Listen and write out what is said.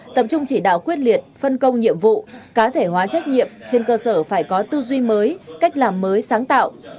tập trung chỉ đạo quyết liệt phân công nhiệm vụ cá thể hóa trách nhiệm trên cơ sở phải có tư duy mới cách làm mới sáng tạo